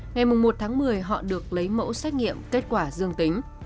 ngày một tháng một mươi họ được lấy mẫu xét nghiệm kết quả dương tính